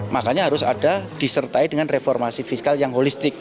makanya harus ada disertai dengan reformasi fiskal yang holistik